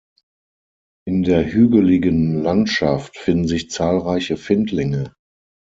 In der hügeligen Landschaft finden sich zahlreiche Findlinge.